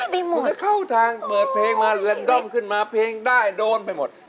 จะเข้าทางเปิดเพลงมาเรือนด้อมขึ้นมาเพลงได้โดนไปหมด